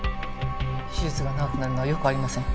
手術が長くなるのはよくありません。